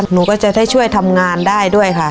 หนูก็จะได้ช่วยทำงานได้ด้วยค่ะ